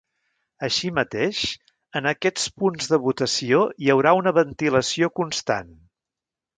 Així mateix, en aquests punts de votació hi haurà una ventilació constant.